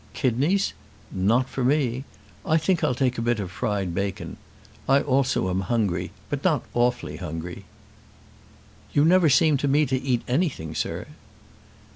Kidneys! Not for me. I think I'll take a bit of fried bacon. I also am hungry, but not awfully hungry." "You never seem to me to eat anything, sir."